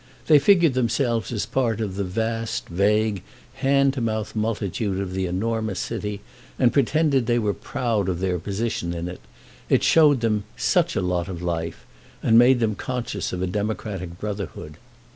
They figured themselves as part of the vast vague hand to mouth multitude of the enormous city and pretended they were proud of their position in it—it showed them "such a lot of life" and made them conscious of a democratic brotherhood.